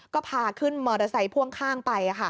ก็พาขึ้นมอเตอร์ไซค์พ่วงข้างไป